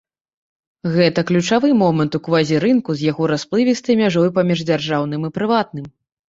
Гэта ключавы момант у квазірынку з яго расплывістай мяжой паміж дзяржаўным і прыватным.